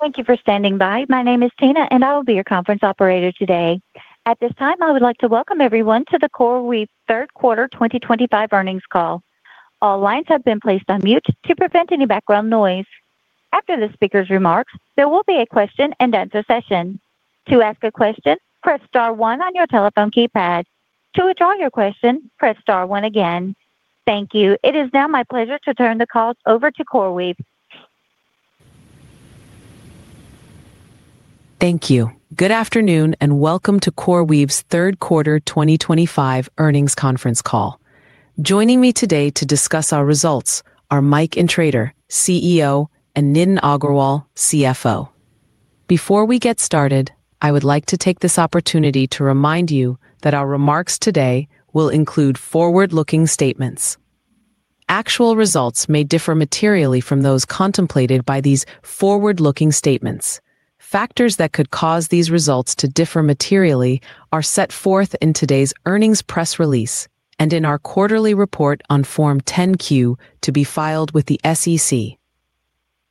Thank you for standing by. My name is Tina, and I will be your conference operator today. At this time, I would like to welcome everyone to the CoreWeave third quarter 2025 earnings call. All lines have been placed on mute to prevent any background noise. After the speaker's remarks, there will be a question-and-answer session. To ask a question, press star one on your telephone keypad. To withdraw your question, press star one again. Thank you. It is now my pleasure to turn the call over to CoreWeave. Thank you. Good afternoon and welcome to CoreWeave's third quarter 2025 earnings conference call. Joining me today to discuss our results are Mike Intrator, CEO, and Nitin Agrawal, CFO. Before we get started, I would like to take this opportunity to remind you that our remarks today will include forward-looking statements. Actual results may differ materially from those contemplated by these forward-looking statements. Factors that could cause these results to differ materially are set forth in today's earnings press release and in our quarterly report on Form 10Q to be filed with the SEC.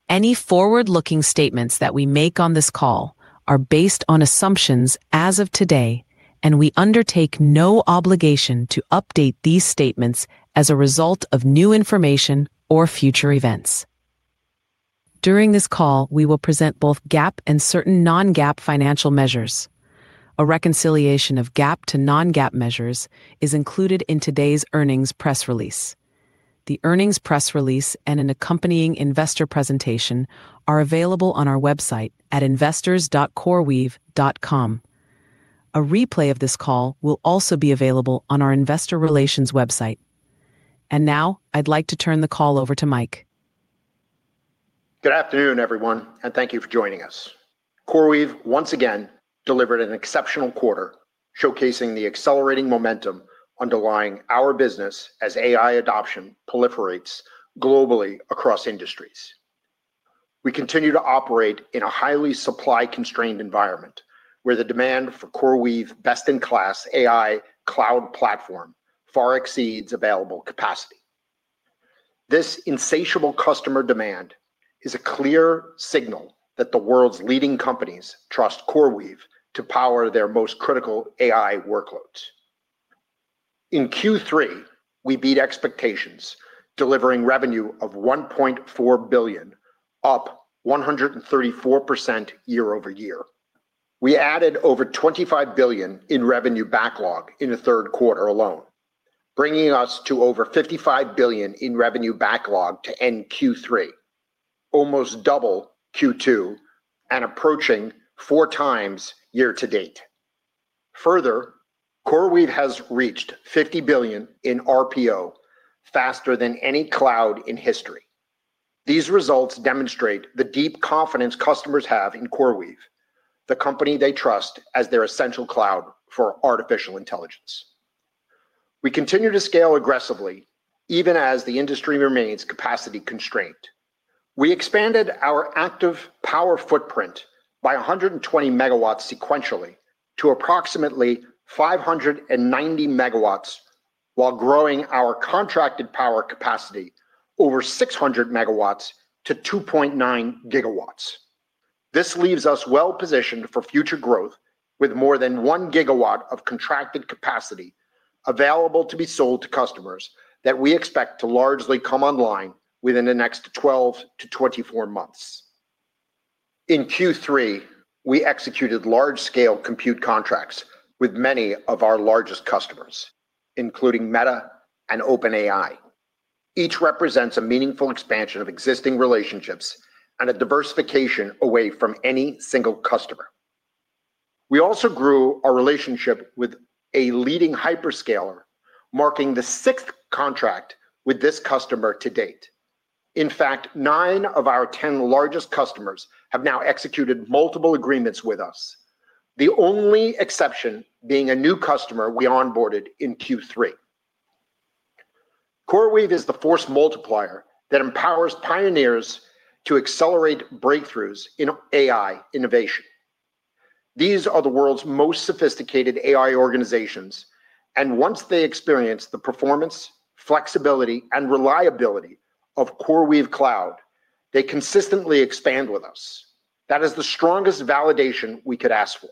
Any forward-looking statements that we make on this call are based on assumptions as of today, and we undertake no obligation to update these statements as a result of new information or future events. During this call, we will present both GAAP and certain non-GAAP financial measures. A reconciliation of GAAP to non-GAAP measures is included in today's earnings press release. The earnings press release and an accompanying investor presentation are available on our website at investors.coreweave.com. A replay of this call will also be available on our investor relations website. I would like to turn the call over to Mike. Good afternoon, everyone, and thank you for joining us. CoreWeave, once again, delivered an exceptional quarter, showcasing the accelerating momentum underlying our business as AI adoption proliferates globally across industries. We continue to operate in a highly supply-constrained environment, where the demand for CoreWeave's best-in-class AI cloud platform far exceeds available capacity. This insatiable customer demand is a clear signal that the world's leading companies trust CoreWeave to power their most critical AI workloads. In Q3, we beat expectations, delivering revenue of $1.4 billion, up 134% year-over-year. We added over $25 billion in revenue backlog in the third quarter alone, bringing us to over $55 billion in revenue backlog to end Q3, almost double Q2 and approaching four times year-to-date. Further, CoreWeave has reached $50 billion in RPO, faster than any cloud in history. These results demonstrate the deep confidence customers have in CoreWeave, the company they trust as their essential cloud for artificial intelligence. We continue to scale aggressively, even as the industry remains capacity-constrained. We expanded our active power footprint by 120 MW sequentially to approximately 590 MW, while growing our contracted power capacity over 600 MW to 2.9 GW. This leaves us well-positioned for future growth, with more than 1 GW of contracted capacity available to be sold to customers that we expect to largely come online within the next 12 to 24 months. In Q3, we executed large-scale compute contracts with many of our largest customers, including Meta and OpenAI. Each represents a meaningful expansion of existing relationships and a diversification away from any single customer. We also grew our relationship with a leading hyperscaler, marking the sixth contract with this customer to date. In fact, nine of our ten largest customers have now executed multiple agreements with us, the only exception being a new customer we onboarded in Q3. CoreWeave is the force multiplier that empowers pioneers to accelerate breakthroughs in AI innovation. These are the world's most sophisticated AI organizations, and once they experience the performance, flexibility, and reliability of CoreWeave Cloud, they consistently expand with us. That is the strongest validation we could ask for.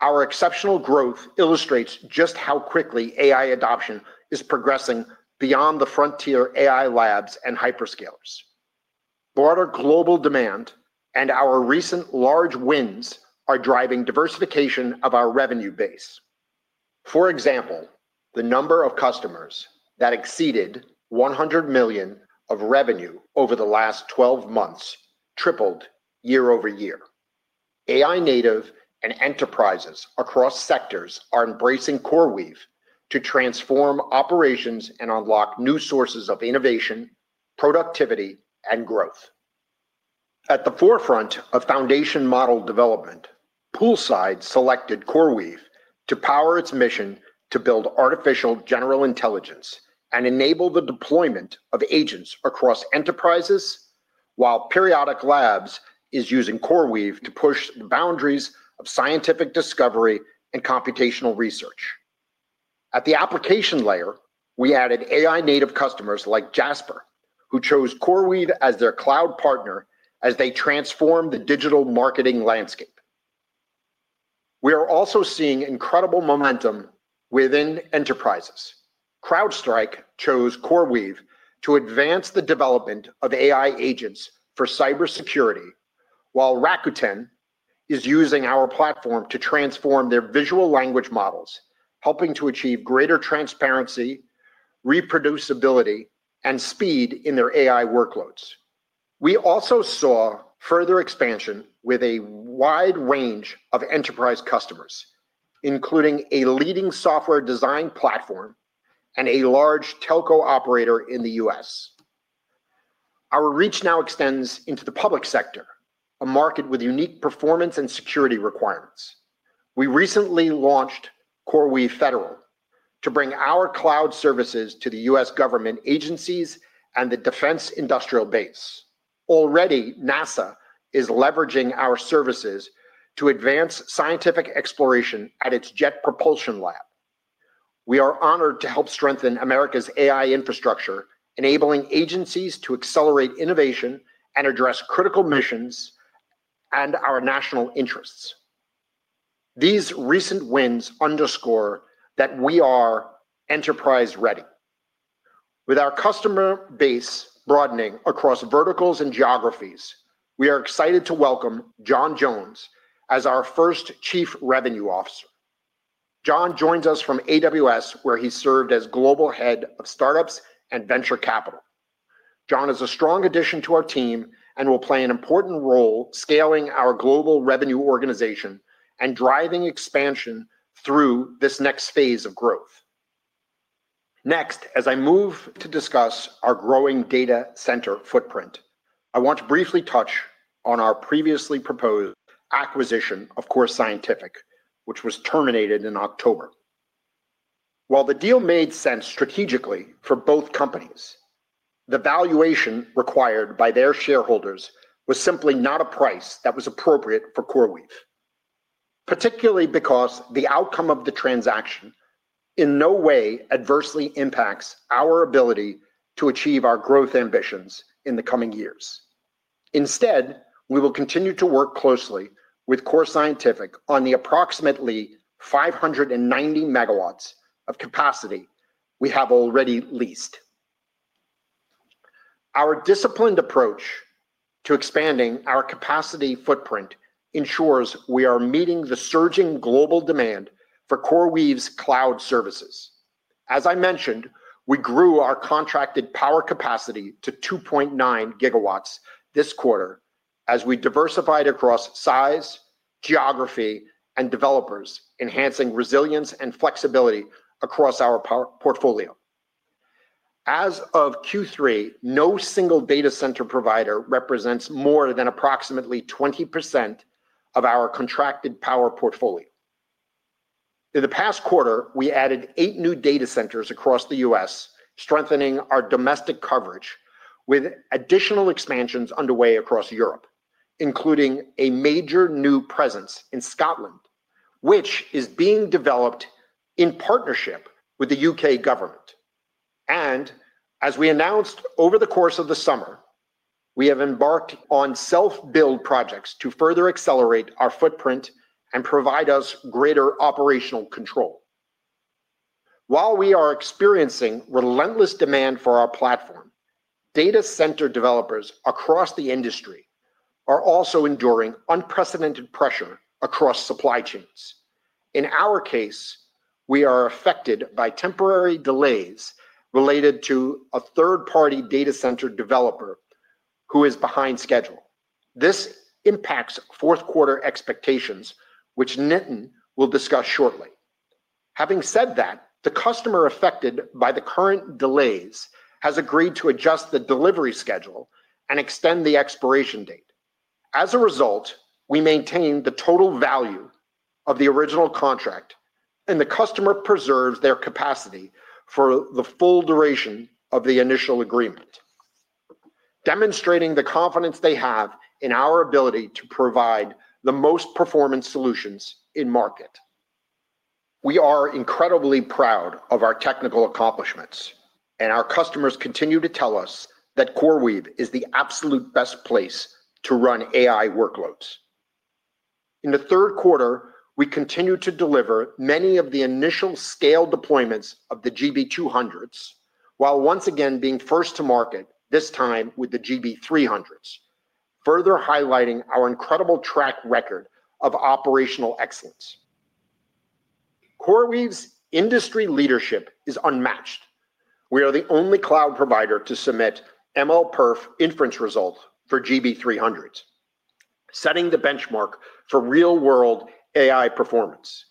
Our exceptional growth illustrates just how quickly AI adoption is progressing beyond the frontier AI labs and hyperscalers. Broader global demand and our recent large wins are driving diversification of our revenue base. For example, the number of customers that exceeded $100 million of revenue over the last 12 months tripled year-over-year. AI native and enterprises across sectors are embracing CoreWeave to transform operations and unlock new sources of innovation, productivity, and growth. At the forefront of foundation model development, Poolside selected CoreWeave to power its mission to build artificial general intelligence and enable the deployment of agents across enterprises, while Periodic Labs is using CoreWeave to push the boundaries of scientific discovery and computational research. At the application layer, we added AI native customers like Jasper, who chose CoreWeave as their cloud partner as they transform the digital marketing landscape. We are also seeing incredible momentum within enterprises. CrowdStrike chose CoreWeave to advance the development of AI agents for cybersecurity, while Rakuten is using our platform to transform their visual language models, helping to achieve greater transparency, reproducibility, and speed in their AI workloads. We also saw further expansion with a wide range of enterprise customers, including a leading software design platform and a large Telco operator in the U.S. Our reach now extends into the public sector, a market with unique performance and security requirements. We recently launched CoreWeave Federal to bring our cloud services to the U.S. government agencies and the defense industrial base. Already, NASA is leveraging our services to advance scientific exploration at its Jet Propulsion Laboratory. We are honored to help strengthen America's AI infrastructure, enabling agencies to accelerate innovation and address critical missions and our national interests. These recent wins underscore that we are enterprise-ready. With our customer base broadening across verticals and geographies, we are excited to welcome Jon Jones as our first Chief Revenue Officer. Jon joins us from AWS, where he served as Global Head of Startups and Venture Capital. Jon is a strong addition to our team and will play an important role scaling our global revenue organization and driving expansion through this next phase of growth. Next, as I move to discuss our growing data center footprint, I want to briefly touch on our previously proposed acquisition of Core Scientific, which was terminated in October. While the deal made sense strategically for both companies, the valuation required by their shareholders was simply not a price that was appropriate for CoreWeave, particularly because the outcome of the transaction in no way adversely impacts our ability to achieve our growth ambitions in the coming years. Instead, we will continue to work closely with Core Scientific on the approximately 590 MW of capacity we have already leased. Our disciplined approach to expanding our capacity footprint ensures we are meeting the surging global demand for CoreWeave's cloud services. As I mentioned, we grew our contracted power capacity to 2.9 GW this quarter as we diversified across size, geography, and developers, enhancing resilience and flexibility across our portfolio. As of Q3, no single data center provider represents more than approximately 20% of our contracted power portfolio. In the past quarter, we added eight new data centers across the U.S., strengthening our domestic coverage with additional expansions underway across Europe, including a major new presence in Scotland, which is being developed in partnership with the U.K. government. As we announced over the course of the summer, we have embarked on self-build projects to further accelerate our footprint and provide us greater operational control. While we are experiencing relentless demand for our platform, data center developers across the industry are also enduring unprecedented pressure across supply chains. In our case, we are affected by temporary delays related to a third-party data center developer who is behind schedule. This impacts fourth-quarter expectations, which Nitin will discuss shortly. Having said that, the customer affected by the current delays has agreed to adjust the delivery schedule and extend the expiration date. As a result, we maintain the total value of the original contract, and the customer preserves their capacity for the full duration of the initial agreement, demonstrating the confidence they have in our ability to provide the most performance solutions in market. We are incredibly proud of our technical accomplishments, and our customers continue to tell us that CoreWeave is the absolute best place to run AI workloads. In the third quarter, we continue to deliver many of the initial scale deployments of the GB200s, while once again being first to market, this time with the GB300s, further highlighting our incredible track record of operational excellence. CoreWeave's industry leadership is unmatched. We are the only cloud provider to submit MLPerf inference results for GB300s, setting the benchmark for real-world AI performance.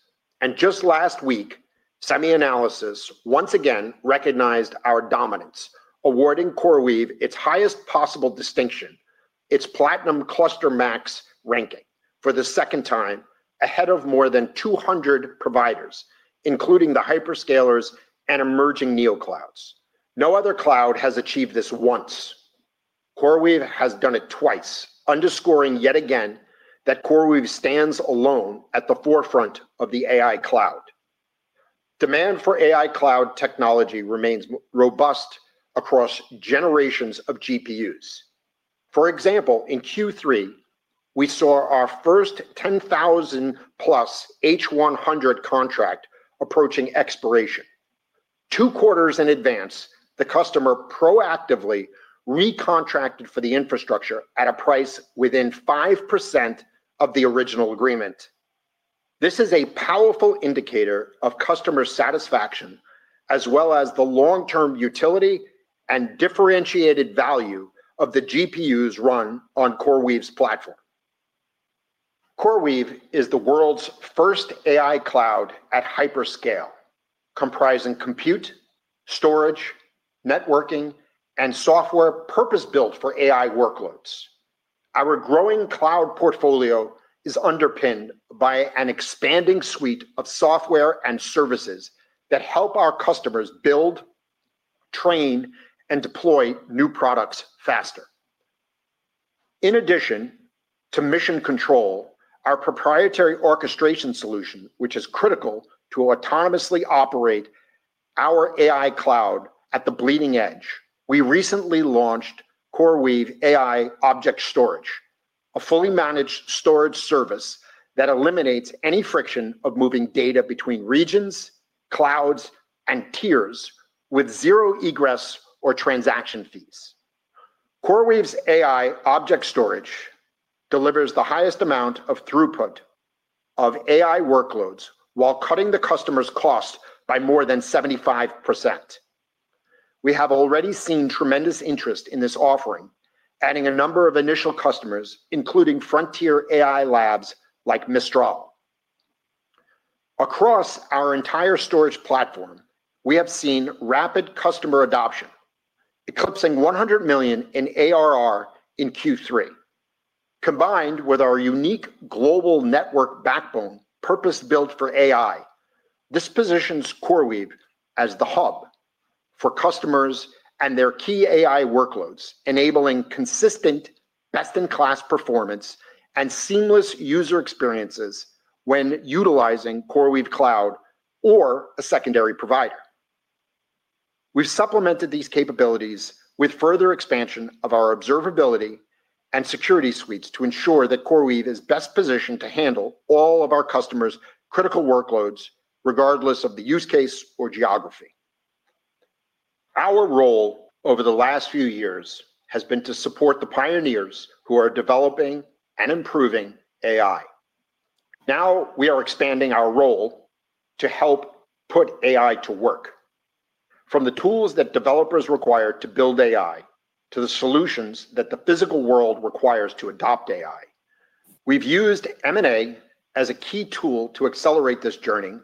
Just last week, SemiAnalysis once again recognized our dominance, awarding CoreWeave its highest possible distinction, its Platinum Cluster Max ranking, for the second time ahead of more than 200 providers, including the hyperscalers and emerging neoclouds. No other cloud has achieved this once. CoreWeave has done it twice, underscoring yet again that CoreWeave stands alone at the forefront of the AI cloud. Demand for AI cloud technology remains robust across generations of GPUs. For example, in Q3, we saw our first 10,000-plus H100 contract approaching expiration. Two quarters in advance, the customer proactively recontracted for the infrastructure at a price within 5% of the original agreement. This is a powerful indicator of customer satisfaction, as well as the long-term utility and differentiated value of the GPUs run on CoreWeave's platform. CoreWeave is the world's first AI cloud at hyperscale, comprising compute, storage, networking, and software purpose-built for AI workloads. Our growing cloud portfolio is underpinned by an expanding suite of software and services that help our customers build, train, and deploy new products faster. In addition to Mission Control, our proprietary orchestration solution, which is critical to autonomously operate our AI cloud at the bleeding edge, we recently launched CoreWeave AI Object Storage, a fully managed storage service that eliminates any friction of moving data between regions, clouds, and tiers with zero egress or transaction fees. CoreWeave's AI Object Storage delivers the highest amount of throughput of AI workloads while cutting the customer's cost by more than 75%. We have already seen tremendous interest in this offering, adding a number of initial customers, including frontier AI labs like Mistral. Across our entire storage platform, we have seen rapid customer adoption, eclipsing $100 million in ARR in Q3. Combined with our unique global network backbone purpose-built for AI, this positions CoreWeave as the hub for customers and their key AI workloads, enabling consistent best-in-class performance and seamless user experiences when utilizing CoreWeave Cloud or a secondary provider. We have supplemented these capabilities with further expansion of our observability and security suites to ensure that CoreWeave is best positioned to handle all of our customers' critical workloads, regardless of the use case or geography. Our role over the last few years has been to support the pioneers who are developing and improving AI. Now we are expanding our role to help put AI to work. From the tools that developers require to build AI to the solutions that the physical world requires to adopt AI, we've used M&A as a key tool to accelerate this journey,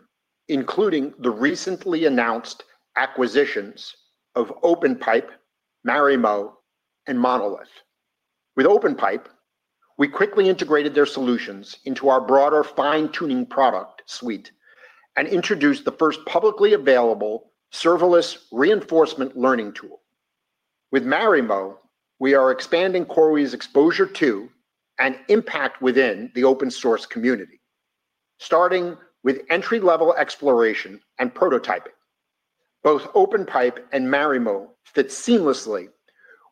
including the recently announced acquisitions of OpenPipe, Marimo, and Monolith. With OpenPipe, we quickly integrated their solutions into our broader fine-tuning product suite and introduced the first publicly available serverless reinforcement learning tool. With Marimo, we are expanding CoreWeave's exposure to and impact within the open-source community, starting with entry-level exploration and prototyping. Both OpenPipe and Marimo fit seamlessly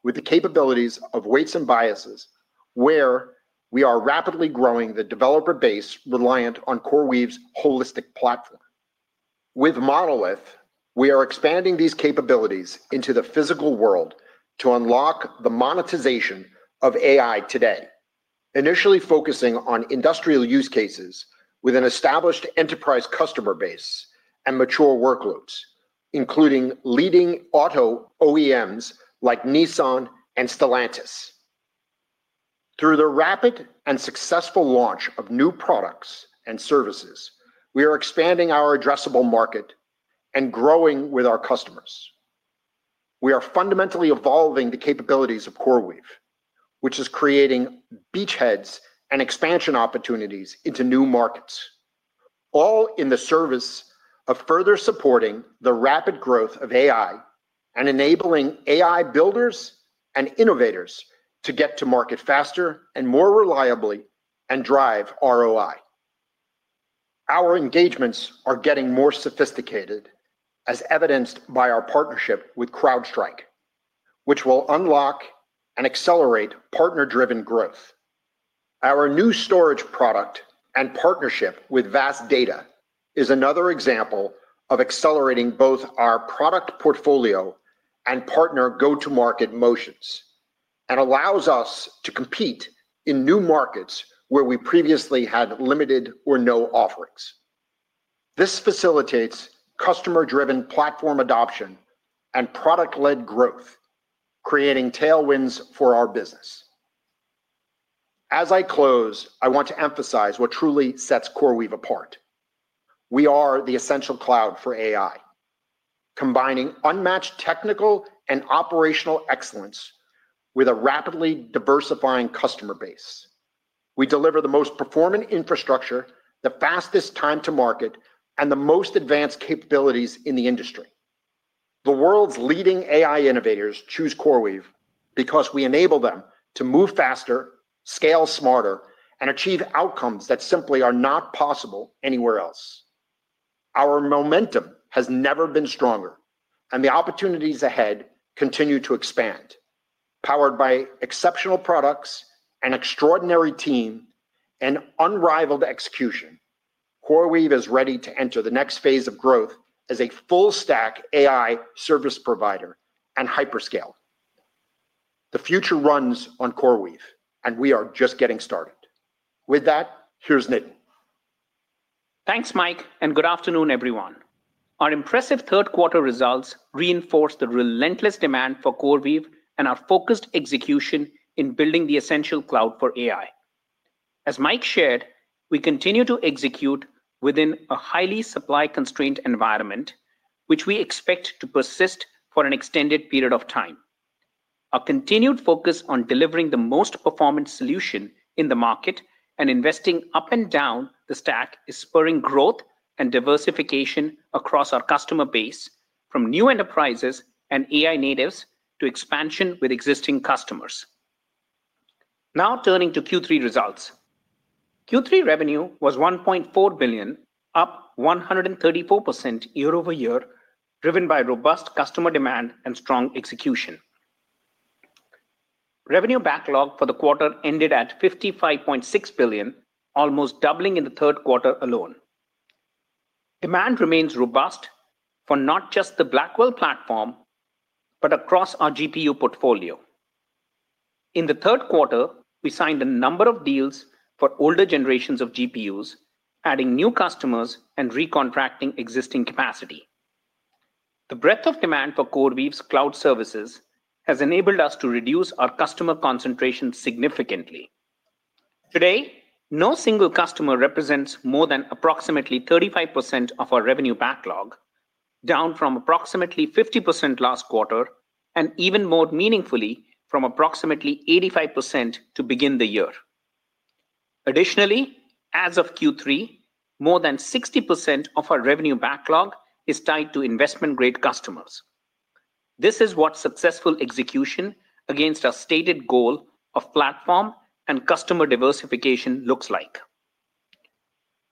with the capabilities of Weights & Biases, where we are rapidly growing the developer base reliant on CoreWeave's holistic platform. With Monolith, we are expanding these capabilities into the physical world to unlock the monetization of AI today, initially focusing on industrial use cases with an established enterprise customer base and mature workloads, including leading auto OEMs like Nissan and Stellantis. Through the rapid and successful launch of new products and services, we are expanding our addressable market and growing with our customers. We are fundamentally evolving the capabilities of CoreWeave, which is creating beachheads and expansion opportunities into new markets, all in the service of further supporting the rapid growth of AI and enabling AI builders and innovators to get to market faster and more reliably and drive ROI. Our engagements are getting more sophisticated, as evidenced by our partnership with CrowdStrike, which will unlock and accelerate partner-driven growth. Our new storage product and partnership with Vast Data is another example of accelerating both our product portfolio and partner go-to-market motions and allows us to compete in new markets where we previously had limited or no offerings. This facilitates customer-driven platform adoption and product-led growth, creating tailwinds for our business. As I close, I want to emphasize what truly sets CoreWeave apart. We are the essential cloud for AI, combining unmatched technical and operational excellence with a rapidly diversifying customer base. We deliver the most performant infrastructure, the fastest time to market, and the most advanced capabilities in the industry. The world's leading AI innovators choose CoreWeave because we enable them to move faster, scale smarter, and achieve outcomes that simply are not possible anywhere else. Our momentum has never been stronger, and the opportunities ahead continue to expand. Powered by exceptional products, an extraordinary team, and unrivaled execution, CoreWeave is ready to enter the next phase of growth as a full-stack AI service provider and hyperscale. The future runs on CoreWeave, and we are just getting started. With that, here's Nitin. Thanks, Mike, and good afternoon, everyone. Our impressive third-quarter results reinforce the relentless demand for CoreWeave and our focused execution in building the essential cloud for AI. As Mike shared, we continue to execute within a highly supply-constrained environment, which we expect to persist for an extended period of time. Our continued focus on delivering the most performant solution in the market and investing up and down the stack is spurring growth and diversification across our customer base, from new enterprises and AI natives to expansion with existing customers. Now turning to Q3 results. Q3 revenue was $1.4 billion, up 134% year-over-year, driven by robust customer demand and strong execution. Revenue backlog for the quarter ended at $55.6 billion, almost doubling in the third quarter alone. Demand remains robust for not just the Blackwell platform, but across our GPU portfolio. In the third quarter, we signed a number of deals for older generations of GPUs, adding new customers and recontracting existing capacity. The breadth of demand for CoreWeave's cloud services has enabled us to reduce our customer concentration significantly. Today, no single customer represents more than approximately 35% of our revenue backlog, down from approximately 50% last quarter and even more meaningfully from approximately 85% to begin the year. Additionally, as of Q3, more than 60% of our revenue backlog is tied to investment-grade customers. This is what successful execution against our stated goal of platform and customer diversification looks like.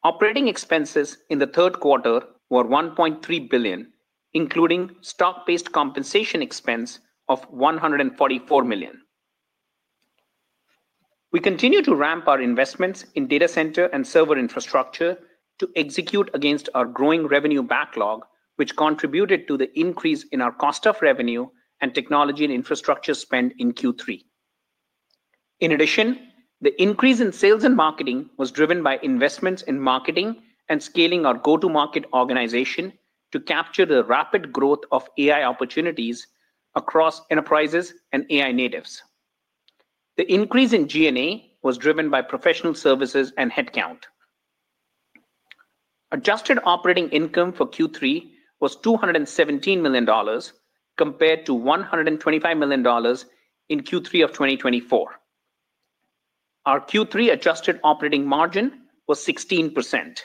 Operating expenses in the third quarter were $1.3 billion, including stock-based compensation expense of $144 million. We continue to ramp our investments in data center and server infrastructure to execute against our growing revenue backlog, which contributed to the increase in our cost of revenue and technology and infrastructure spend in Q3. In addition, the increase in sales and marketing was driven by investments in marketing and scaling our go-to-market organization to capture the rapid growth of AI opportunities across enterprises and AI natives. The increase in G&A was driven by professional services and headcount. Adjusted operating income for Q3 was $217 million, compared to $125 million in Q3 of 2024. Our Q3 adjusted operating margin was 16%.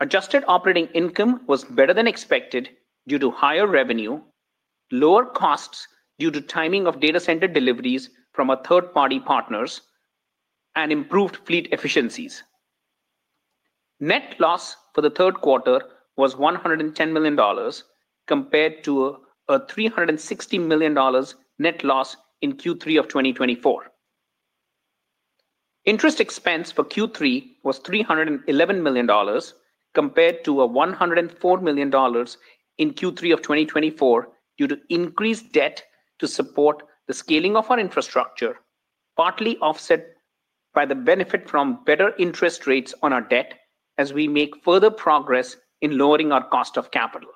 Adjusted operating income was better than expected due to higher revenue, lower costs due to timing of data center deliveries from our third-party partners, and improved fleet efficiencies. Net loss for the third quarter was $110 million, compared to a $360 million net loss in Q3 of 2024. Interest expense for Q3 was $311 million, compared to a $104 million in Q3 of 2024 due to increased debt to support the scaling of our infrastructure, partly offset by the benefit from better interest rates on our debt as we make further progress in lowering our cost of capital.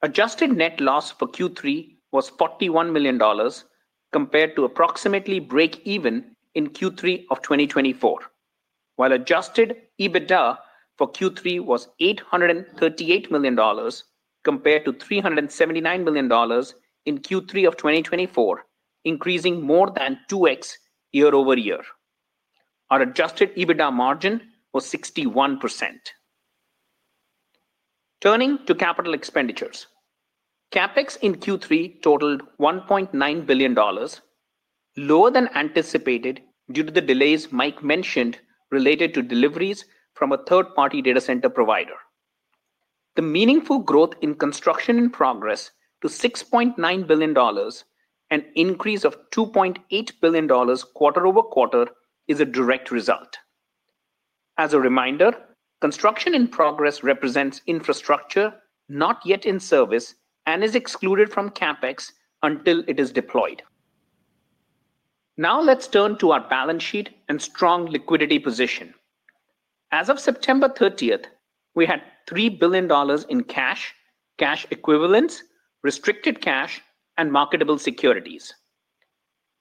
Adjusted net loss for Q3 was $41 million, compared to approximately break-even in Q3 of 2024, while adjusted EBITDA for Q3 was $838 million, compared to $379 million in Q3 of 2024, increasing more than 2x year-over-year. Our adjusted EBITDA margin was 61%. Turning to capital expenditures, CapEx in Q3 totaled $1.9 billion, lower than anticipated due to the delays Mike mentioned related to deliveries from a third-party data center provider. The meaningful growth in construction in progress to $6.9 billion and increase of $2.8 billion quarter-over-quarter is a direct result. As a reminder, construction in progress represents infrastructure not yet in service and is excluded from CapEx until it is deployed. Now let's turn to our balance sheet and strong liquidity position. As of September 30, we had $3 billion in cash, cash equivalents, restricted cash, and marketable securities.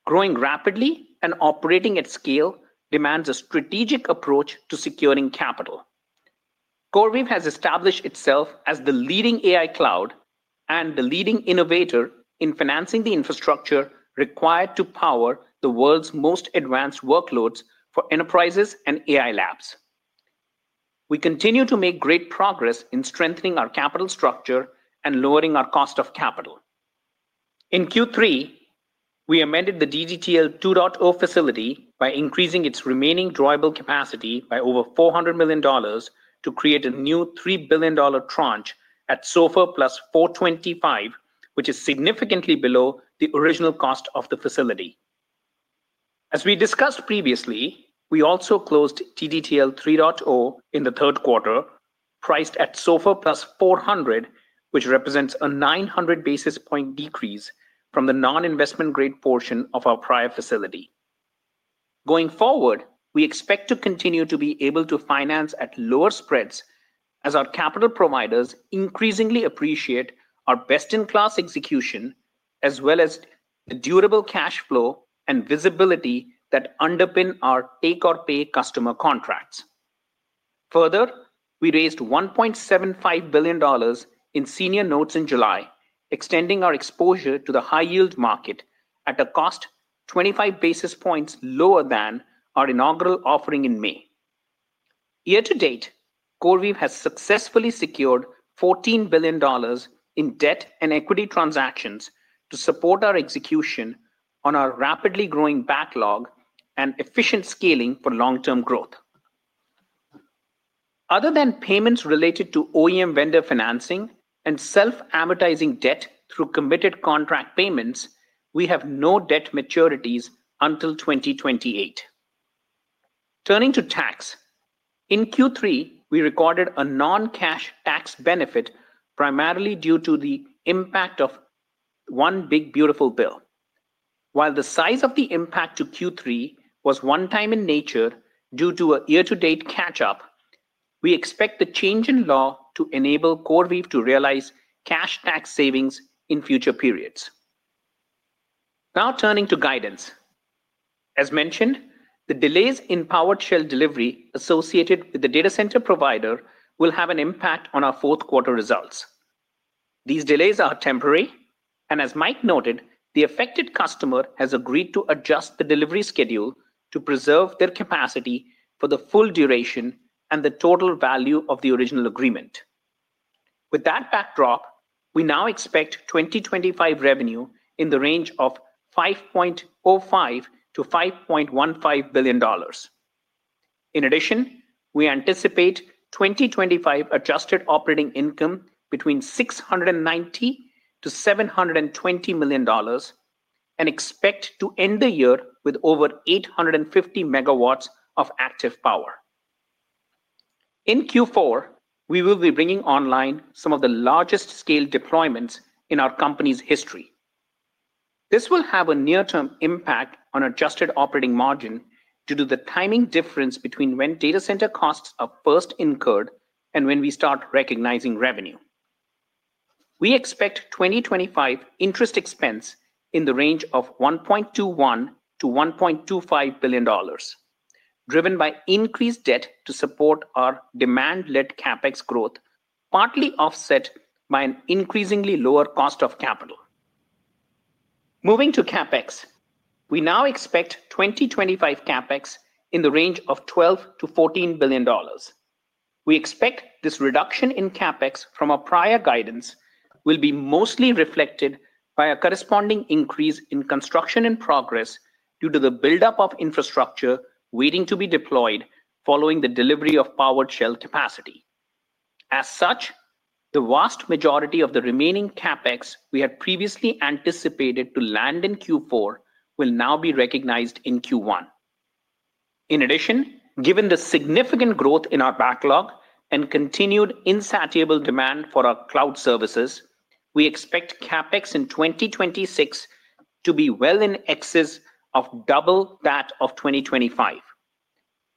Growing rapidly and operating at scale demands a strategic approach to securing capital. CoreWeave has established itself as the leading AI cloud and the leading innovator in financing the infrastructure required to power the world's most advanced workloads for enterprises and AI labs. We continue to make great progress in strengthening our capital structure and lowering our cost of capital. In Q3, we amended the DDTL 2.0 facility by increasing its remaining drawable capacity by over $400 million to create a new $3 billion tranche at SOFR plus 425, which is significantly below the original cost of the facility. As we discussed previously, we also closed DDTL 3.0 in the third quarter, priced at SOFR plus 400, which represents a 900 basis point decrease from the non-investment-grade portion of our prior facility. Going forward, we expect to continue to be able to finance at lower spreads as our capital providers increasingly appreciate our best-in-class execution, as well as the durable cash flow and visibility that underpin our take-or-pay customer contracts. Further, we raised $1.75 billion in senior notes in July, extending our exposure to the high-yield market at a cost 25 basis points lower than our inaugural offering in May. Year to date, CoreWeave has successfully secured $14 billion in debt and equity transactions to support our execution on our rapidly growing backlog and efficient scaling for long-term growth. Other than payments related to OEM vendor financing and self-amortizing debt through committed contract payments, we have no debt maturities until 2028. Turning to tax, in Q3, we recorded a non-cash tax benefit primarily due to the impact of one big beautiful bill. While the size of the impact to Q3 was one-time in nature due to a year-to-date catch-up, we expect the change in law to enable CoreWeave to realize cash tax savings in future periods. Now turning to guidance. As mentioned, the delays in powered shell delivery associated with the data center provider will have an impact on our fourth-quarter results. These delays are temporary, and as Mike noted, the affected customer has agreed to adjust the delivery schedule to preserve their capacity for the full duration and the total value of the original agreement. With that backdrop, we now expect 2025 revenue in the range of $5.05-$5.15 billion. In addition, we anticipate 2025 adjusted operating income between $690-$720 million and expect to end the year with over 850 MW of active power. In Q4, we will be bringing online some of the largest-scale deployments in our company's history. This will have a near-term impact on adjusted operating margin due to the timing difference between when data center costs are first incurred and when we start recognizing revenue. We expect 2025 interest expense in the range of $1.21 billion-$1.25 billion, driven by increased debt to support our demand-led CapEx growth, partly offset by an increasingly lower cost of capital. Moving to CapEx, we now expect 2025 CapEx in the range of $12 billion-$14 billion. We expect this reduction in CapEx from our prior guidance will be mostly reflected by a corresponding increase in construction in progress due to the buildup of infrastructure waiting to be deployed following the delivery of powered shell capacity. As such, the vast majority of the remaining CapEx we had previously anticipated to land in Q4 will now be recognized in Q1. In addition, given the significant growth in our backlog and continued insatiable demand for our cloud services, we expect CapEx in 2026 to be well in excess of double that of 2025.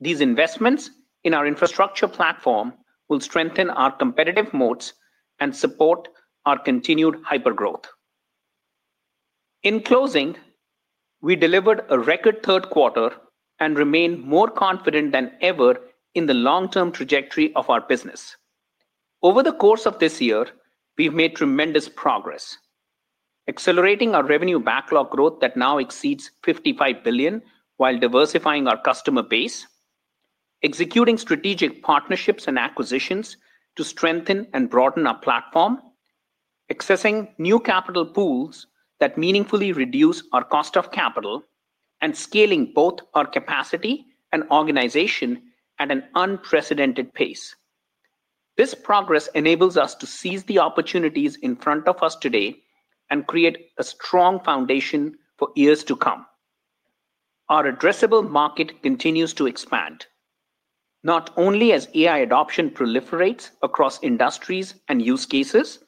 These investments in our infrastructure platform will strengthen our competitive moats and support our continued hypergrowth. In closing, we delivered a record third quarter and remain more confident than ever in the long-term trajectory of our business. Over the course of this year, we've made tremendous progress, accelerating our revenue backlog growth that now exceeds $55 billion while diversifying our customer base, executing strategic partnerships and acquisitions to strengthen and broaden our platform, accessing new capital pools that meaningfully reduce our cost of capital, and scaling both our capacity and organization at an unprecedented pace. This progress enables us to seize the opportunities in front of us today and create a strong foundation for years to come. Our addressable market continues to expand, not only as AI adoption proliferates across industries and use cases,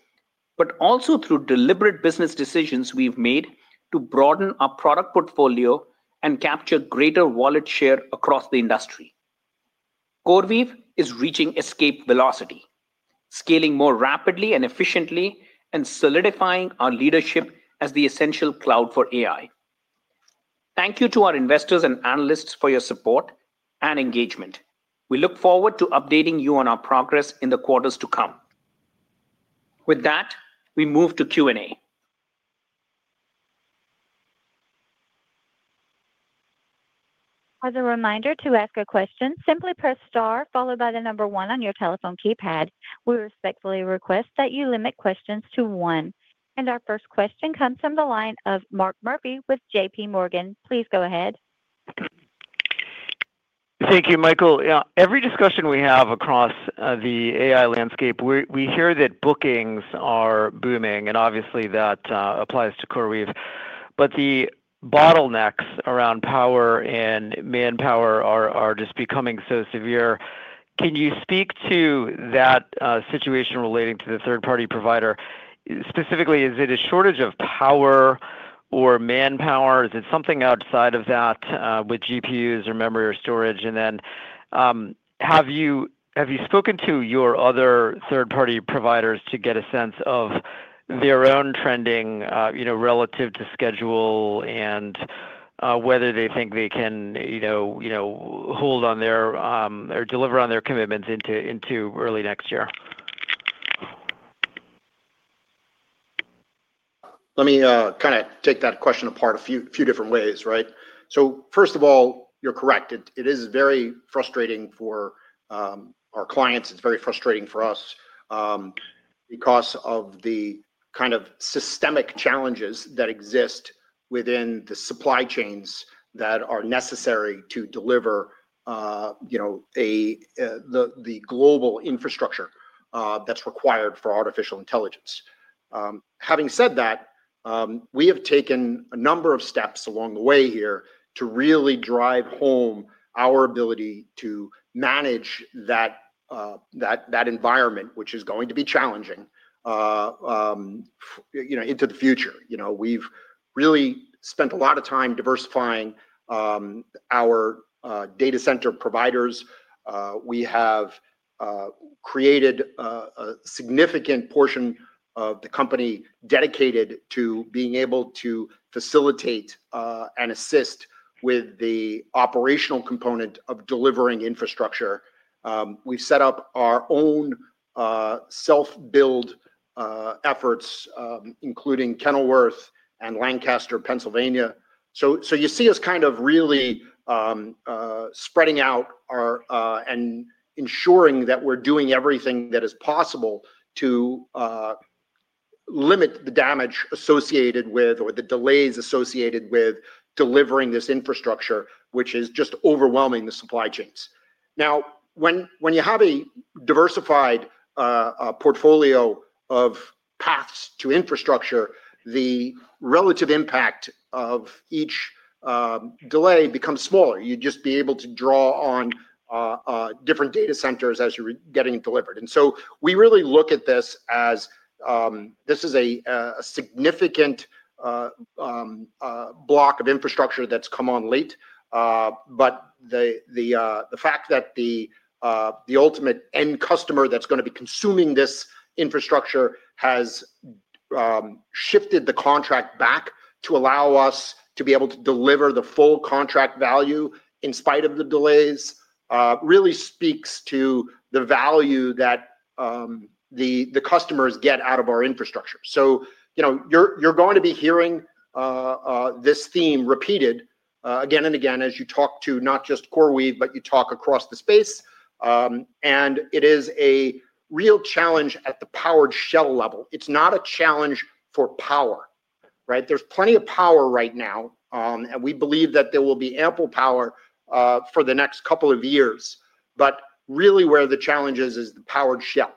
but also through deliberate business decisions we've made to broaden our product portfolio and capture greater wallet share across the industry. CoreWeave is reaching escape velocity, scaling more rapidly and efficiently, and solidifying our leadership as the essential cloud for AI. Thank you to our investors and analysts for your support and engagement. We look forward to updating you on our progress in the quarters to come. With that, we move to Q&A. As a reminder to ask a question, simply press star followed by the number one on your telephone keypad. We respectfully request that you limit questions to one. Our first question comes from the line of Mark Murphy with JPMorgan. Please go ahead. Thank you, Michael. Every discussion we have across the AI landscape, we hear that bookings are booming, and obviously, that applies to CoreWeave. The bottlenecks around power and manpower are just becoming so severe. Can you speak to that situation relating to the third-party provider? Specifically, is it a shortage of power or manpower? Is it something outside of that with GPUs or memory or storage? Have you spoken to your other third-party providers to get a sense of their own trending relative to schedule and whether they think they can hold on their or deliver on their commitments into early next year? Let me kind of take that question apart a few different ways, right? First of all, you're correct. It is very frustrating for our clients. It's very frustrating for us because of the kind of systemic challenges that exist within the supply chains that are necessary to deliver the global infrastructure that's required for artificial intelligence. Having said that, we have taken a number of steps along the way here to really drive home our ability to manage that environment, which is going to be challenging into the future. We've really spent a lot of time diversifying our data center providers. We have created a significant portion of the company dedicated to being able to facilitate and assist with the operational component of delivering infrastructure. We've set up our own self-build efforts, including Kenilworth and Lancaster, Pennsylvania. You see us kind of really spreading out and ensuring that we're doing everything that is possible to limit the damage associated with or the delays associated with delivering this infrastructure, which is just overwhelming the supply chains. Now, when you have a diversified portfolio of paths to infrastructure, the relative impact of each delay becomes smaller. You'd just be able to draw on different data centers as you're getting it delivered. We really look at this as this is a significant block of infrastructure that's come on late. The fact that the ultimate end customer that's going to be consuming this infrastructure has shifted the contract back to allow us to be able to deliver the full contract value in spite of the delays really speaks to the value that the customers get out of our infrastructure. You're going to be hearing this theme repeated again and again as you talk to not just CoreWeave, but you talk across the space. It is a real challenge at the powered shell level. It's not a challenge for power, right? There's plenty of power right now, and we believe that there will be ample power for the next couple of years. Really, where the challenge is, is the powered shell.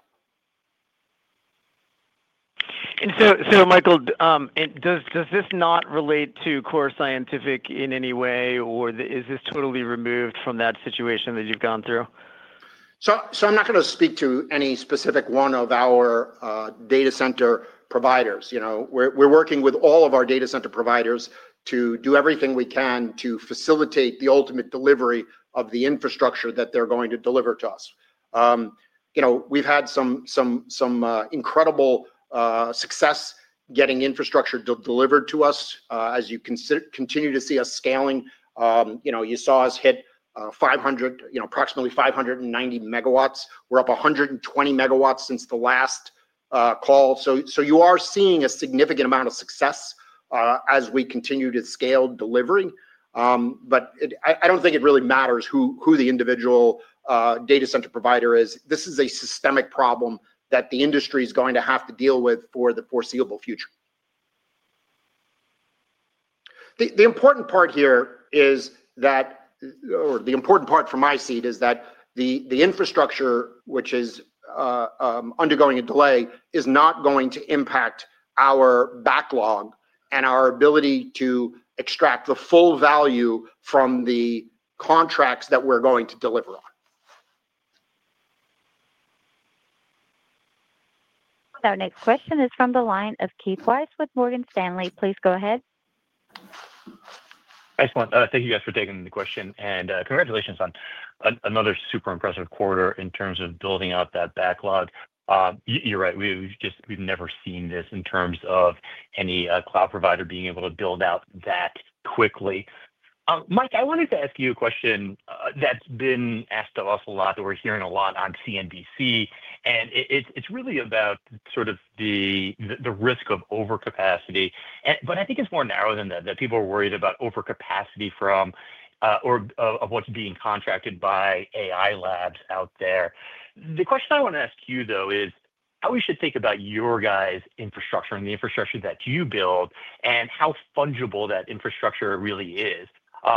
Michael, does this not relate to Core Scientific in any way, or is this totally removed from that situation that you've gone through? I'm not going to speak to any specific one of our data center providers. We're working with all of our data center providers to do everything we can to facilitate the ultimate delivery of the infrastructure that they're going to deliver to us. We've had some incredible success getting infrastructure delivered to us, as you continue to see us scaling. You saw us hit approximately 590 MW. We're up 120 MW since the last call. You are seeing a significant amount of success as we continue to scale delivery. I don't think it really matters who the individual data center provider is. This is a systemic problem that the industry is going to have to deal with for the foreseeable future. The important part here is that, or the important part from my seat, is that the infrastructure which is undergoing a delay is not going to impact our backlog and our ability to extract the full value from the contracts that we're going to deliver on. Our next question is from the line of Keith Weiss with Morgan Stanley. Please go ahead. Excellent. Thank you, guys, for taking the question. Congratulations on another super impressive quarter in terms of building out that backlog. You're right. We've never seen this in terms of any cloud provider being able to build out that quickly. Mike, I wanted to ask you a question that's been asked of us a lot that we're hearing a lot on CNBC. It's really about sort of the risk of overcapacity. I think it's more narrow than that. People are worried about overcapacity of what's being contracted by AI labs out there. The question I want to ask you, though, is how we should think about your guys' infrastructure and the infrastructure that you build and how fungible that infrastructure really is.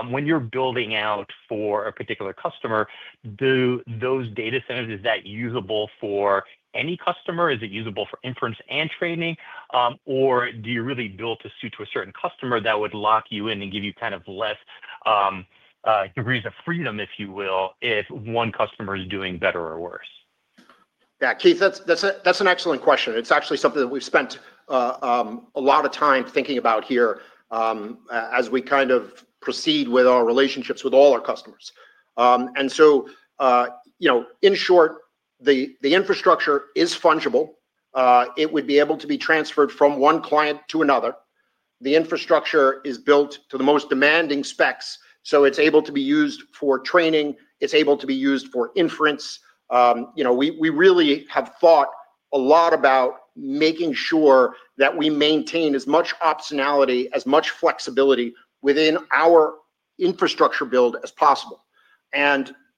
When you're building out for a particular customer, those data centers, is that usable for any customer? Is it usable for inference and training? Or do you really build to suit a certain customer that would lock you in and give you kind of less degrees of freedom, if you will, if one customer is doing better or worse? Yeah, Keith, that's an excellent question. It's actually something that we've spent a lot of time thinking about here as we kind of proceed with our relationships with all our customers. In short, the infrastructure is fungible. It would be able to be transferred from one client to another. The infrastructure is built to the most demanding specs, so it's able to be used for training. It's able to be used for inference. We really have thought a lot about making sure that we maintain as much optionality, as much flexibility within our infrastructure build as possible.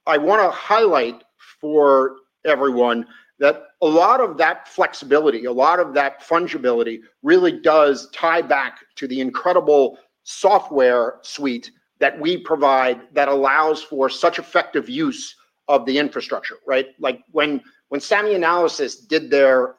I want to highlight for everyone that a lot of that flexibility, a lot of that fungibility really does tie back to the incredible software suite that we provide that allows for such effective use of the infrastructure, right? When SemiAnalysis did their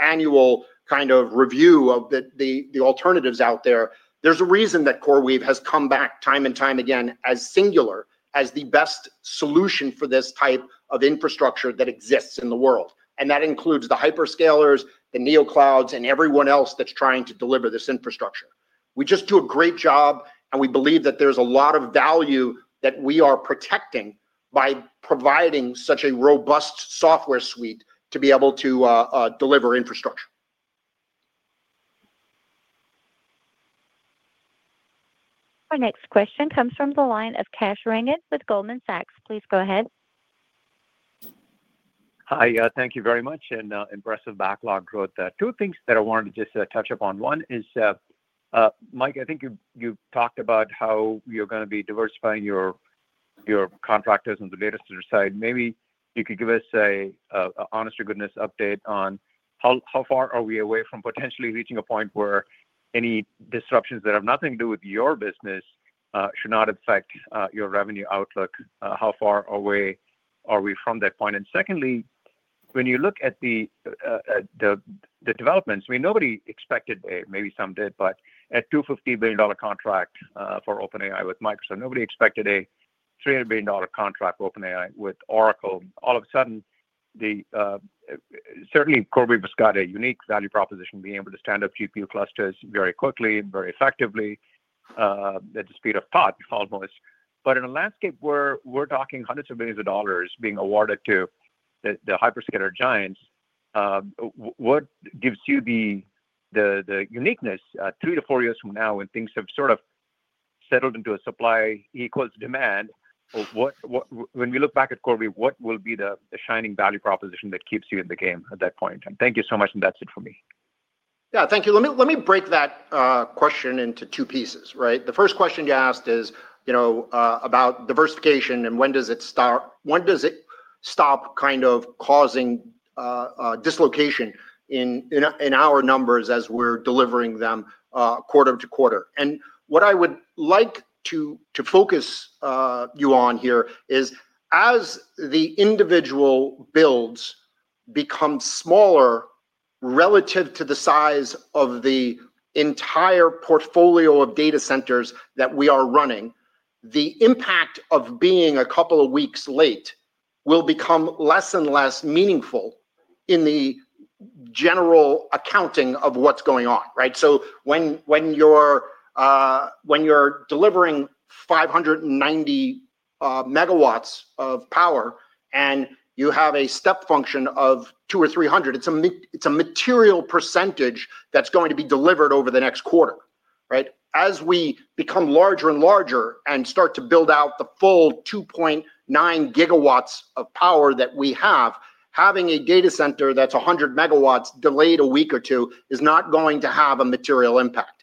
annual kind of review of the alternatives out there, there is a reason that CoreWeave has come back time and time again as singular as the best solution for this type of infrastructure that exists in the world. That includes the hyperscalers, the neoclouds, and everyone else that is trying to deliver this infrastructure. We just do a great job, and we believe that there is a lot of value that we are protecting by providing such a robust software suite to be able to deliver infrastructure. Our next question comes from the line of Kash Rangan with Goldman Sachs. Please go ahead. Hi. Thank you very much and impressive backlog growth. Two things that I wanted to just touch upon. One is, Mike, I think you've talked about how you're going to be diversifying your contractors on the data center side. Maybe you could give us an honest-to-goodness update on how far are we away from potentially reaching a point where any disruptions that have nothing to do with your business should not affect your revenue outlook. How far away are we from that point? Secondly, when you look at the developments, I mean, nobody expected—maybe some did—but at a $250 billion contract for OpenAI with Microsoft, nobody expected a $300 billion contract for OpenAI with Oracle. All of a sudden, certainly, CoreWeave has got a unique value proposition, being able to stand up GPU clusters very quickly, very effectively, at the speed of thought almost. In a landscape where we're talking hundreds of millions of dollars being awarded to the hyperscaler giants, what gives you the uniqueness three to four years from now when things have sort of settled into a supply equals demand? When we look back at CoreWeave, what will be the shining value proposition that keeps you in the game at that point? Thank you so much, and that's it for me. Yeah, thank you. Let me break that question into two pieces, right? The first question you asked is about diversification and when does it stop kind of causing dislocation in our numbers as we're delivering them quarter to quarter. What I would like to focus you on here is, as the individual builds become smaller relative to the size of the entire portfolio of data centers that we are running, the impact of being a couple of weeks late will become less and less meaningful in the general accounting of what's going on, right? When you're delivering 590 MW of power and you have a step function of 2 or 300, it's a material percentage that's going to be delivered over the next quarter, right? As we become larger and larger and start to build out the full 2.9 GW of power that we have, having a data center that's 100 MW delayed a week or two is not going to have a material impact.